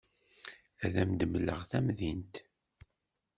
Ad am-d-mleɣ tamdint.